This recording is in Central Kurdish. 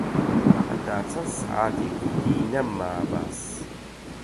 هەتا چەن ساعەتێکی دی نەما باس